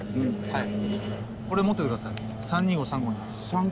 はい。